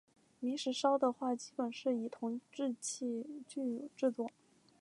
明石烧的话基本上是以铜制器具制作。